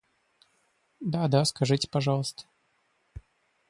Да-да, скажите пожалуйста.